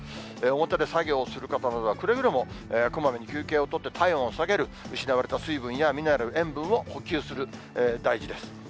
表で作業をする方などは、くれぐれもこまめに休憩を取って、体温を下げる、失われた水分やミネラル、塩分を補給する、大事です。